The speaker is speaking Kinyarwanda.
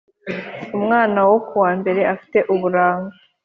umwana wo kuwa mbere afite uburanga